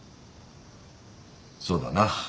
そうだな。